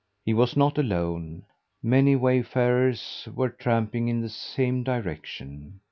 He was not alone, many wayfarers were tramping in the same direction.